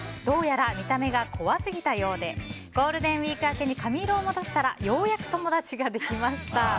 どうやら見た目が怖すぎたようでゴールデンウィーク明けに髪色を戻したらようやく友達ができました。